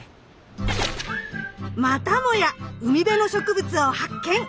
またもや海辺の植物を発見！